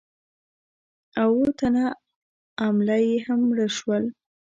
او اووه تنه عمله یې هم مړه شول.